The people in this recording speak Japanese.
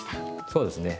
そうですね。